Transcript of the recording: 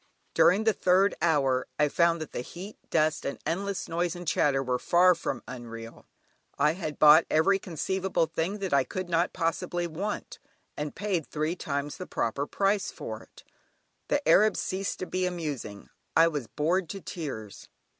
During the third hour I found that the heat, dust, and endless noise and chatter were far from unreal. I had bought every conceivable thing that I could not possibly want, and paid three times the proper price for it. The Arabs ceased to be amusing; I was bored to tears.